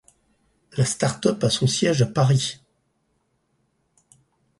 La startup a son siège à Paris.